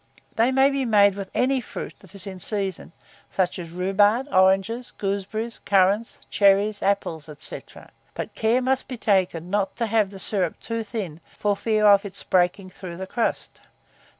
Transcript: They may be made with any fruit that is in season, such as rhubarb, oranges, gooseberries, currants, cherries, apples, &c. but care must be taken not to have the syrup too thin, for fear of its breaking through the crust.